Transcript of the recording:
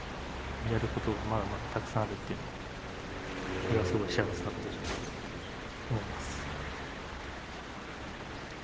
やることがまだまだたくさんあるっていうのはこれはすごい幸せなことじゃないのかと思います。